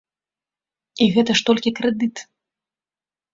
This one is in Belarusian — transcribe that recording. І гэта ж толькі крэдыт.